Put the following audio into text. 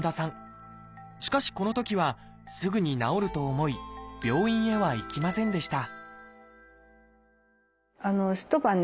しかしこのときはすぐに治ると思い病院へは行きませんでした